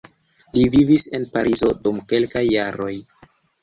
Li vivis en Parizo dum kelkaj jaroj.